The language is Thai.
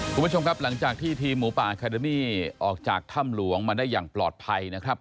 คุณผู้ชมครับหลังจากที่ทีมหมูป่าอาคาเดมี่ออกจากถ้ำหลวงมาได้อย่างปลอดภัยนะครับ